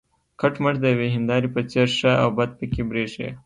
کټ مټ د یوې هینداره په څېر ښه او بد پکې برېښي.